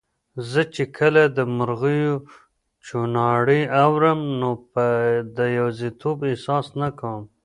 زه چي کله د مرغیو چوڼاری اورم، نو به د یوازیتوب احساس نه کوم